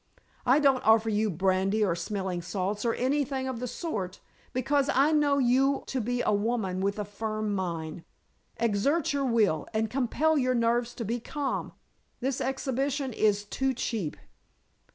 I don't offer you brandy or smelling salts, or anything of the sort, because I know you to be a woman with a firm mind. Exert your will, and compel your nerves to be calm. This exhibition is too cheap."